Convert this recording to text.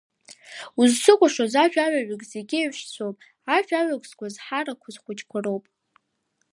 Узцыкәашоз ажәаҩаҩык зегь еиҳәшьцәоуп, ажәаҩаҩык сгәазҳарақәа схәыҷқәа роуп.